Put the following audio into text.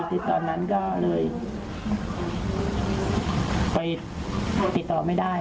คือตอนนั้นก็เลยไปติดต่อไม่ได้